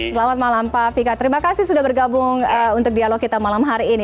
selamat malam pak fikar terima kasih sudah bergabung untuk dialog kita malam hari ini